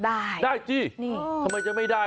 ได้ได้สินี่ทำไมจะไม่ได้